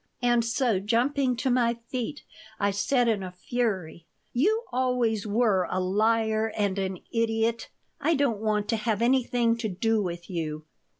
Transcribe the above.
And so, jumping to my feet, I said, in a fury: "You always were a liar and an idiot. I don't want to have anything to do with you."